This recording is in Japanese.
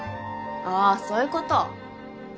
ああそういうこと。